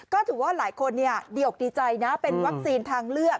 ก็ถือว่าหลายคนดีอกดีใจนะเป็นวัคซีนทางเลือก